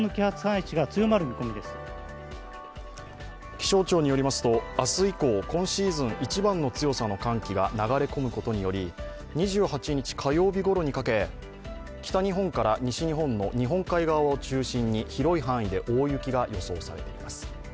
気象庁によりますと明日以降今シーズン一番の強さの寒気が流れ込むことにより２８日火曜日ごろにかけ、北日本から西日本の日本海側を中心に広い範囲で大雪が予想されています。